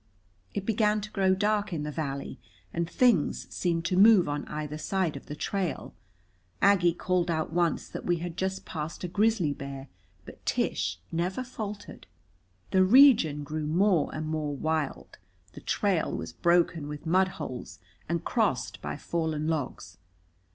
It began to grow dark in the valley, and things seemed to move on either side of the trail. Aggie called out once that we had just passed a grizzly bear, but Tish never faltered. The region grew more and more wild. The trail was broken with mudholes and crossed by fallen logs.